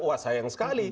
wah sayang sekali